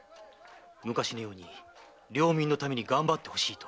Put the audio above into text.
昔のように領民のためにがんばってほしいと。